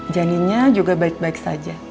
janinnya juga baik baik saja